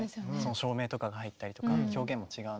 照明とかが入ったりとか表現も違うので。